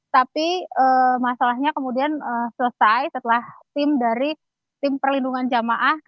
tapi masalahnya kemudian selesai setelah tim dari tim perlindungan jamaah